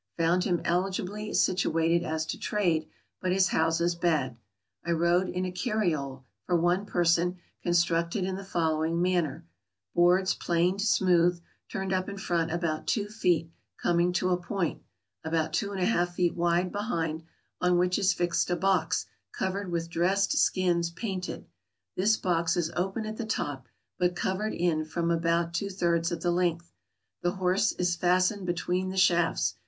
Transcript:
Found him eligibly situated as to trade, but his houses bad. I rode in a cariole, for one person, constructed in the following manner: Boards planed smooth, turned up in front about two feet, coming to a point; about two and a half feet wide behind, on which is fixed a box covered with dressed skins painted; this box is open at the top, but covered in front about two thirds of the length. The horse is fastened be tween the shafts.